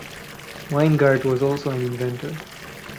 Weingart was also an inventor.